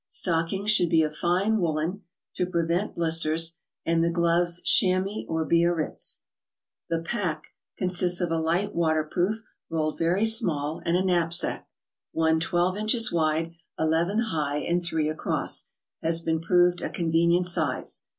Stockings should be of fine woolen (to pre vent blisters), and the gloves chamois or Biarritz. The ''pack" consists of a light waterproof, rolled very small, and a knapsack; one twelve inches wide, eleven high, and three across, has been proved a convenient size.